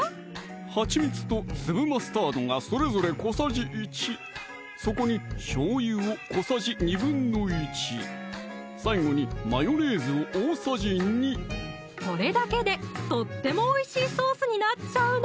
はちみつと粒マスタードがそれぞれ小さじ１そこにしょうゆを小さじ１／２最後にマヨネーズを大さじ２これだけでとってもおいしいソースになっちゃうの！